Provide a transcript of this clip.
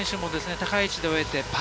高い位置で終えて。